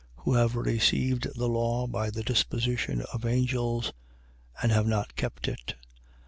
7:53. Who have received the law by the disposition of angels and have not kept it.